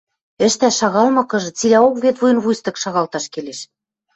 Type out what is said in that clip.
Ӹштӓш шагалмыкыжы, цилӓок вет вуйын-вуйстык шагалташ келеш.